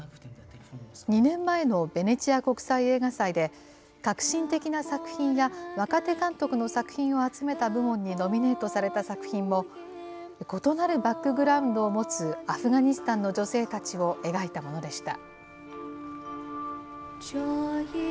２年前のベネチア国際映画祭で、革新的な作品や若手監督の作品を集めた部門にノミネートされた作品も異なるバックグラウンドを持つアフガニスタンの女性たちを描いたものでした。